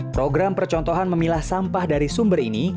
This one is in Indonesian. program percontohan memilah sampah dari sumber ini